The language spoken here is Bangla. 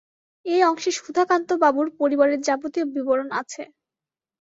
এই অংশে সুধাকান্তবাবুর পরিবারের যাবতীয় বিবরণ আছে।